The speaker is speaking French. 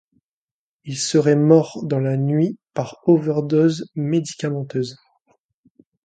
Il serait mort dans la nuit par overdose médicamenteuse.